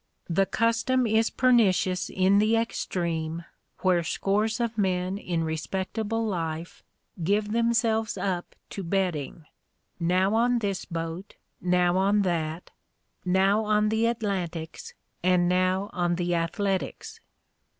The custom is pernicious in the extreme where scores of men in respectable life give themselves up to betting, now on this boat now on that now on the Atlantics and now on the Athletics.